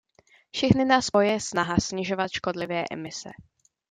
Všechny nás spojuje snaha snižovat škodlivé emise.